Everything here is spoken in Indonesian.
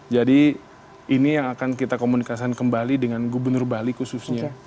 ini yang akan kita komunikasikan kembali dengan gubernur bali khususnya